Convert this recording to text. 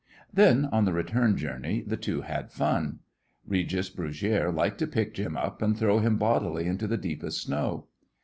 Then on the return journey the two had fun. Regis Brugiere liked to pick Jim up and throw him bodily into the deepest snow.